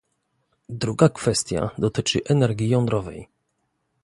Druga kwestia dotyczy energii jądrowej